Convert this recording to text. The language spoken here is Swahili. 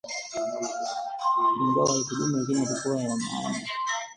Ingawa haikudumu lakini yalikuwa ya maana